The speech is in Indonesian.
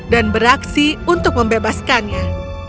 dan beraksi untuk membebaskannya